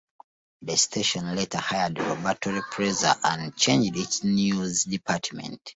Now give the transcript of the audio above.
The station later hired Roberto Repreza and changed its news department.